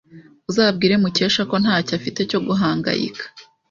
Uzabwira Mukesha ko ntacyo afite cyo guhangayika?